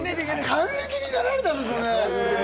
還暦になられたんですもんね。